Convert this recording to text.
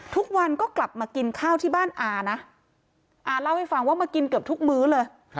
ทุกวันก็กลับมากินข้าวที่บ้านอานะอาเล่าให้ฟังว่ามากินเกือบทุกมื้อเลย